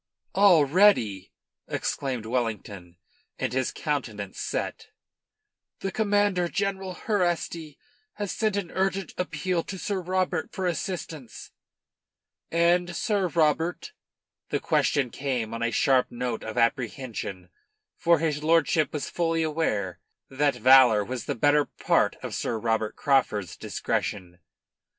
"Already!" exclaimed Wellington, and his countenance set. "The commander, General Herrasti, has sent an urgent appeal to Sir Robert for assistance." "And Sir Robert?" The question came on a sharp note of apprehension, for his lordship was fully aware that valour was the better part of Sir Robert Craufurd's discretion.